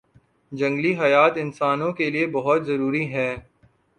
جنگلی حیات انسانوں کے لیئے بہت ضروری ہیں